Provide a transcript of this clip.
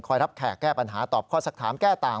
รับแขกแก้ปัญหาตอบข้อสักถามแก้ต่าง